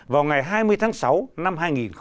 vào ngày hai mươi tháng sáu năm hai nghìn một mươi tám